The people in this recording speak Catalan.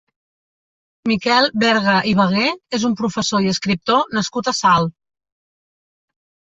Miquel Berga i Bagué és un professor i escriptor nascut a Salt.